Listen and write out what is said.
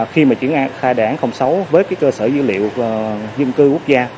khi mà triển khai đề án sáu với cơ sở dữ liệu dân cư quốc gia